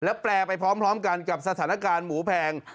แปลไปพร้อมกันกับสถานการณ์หมูแพง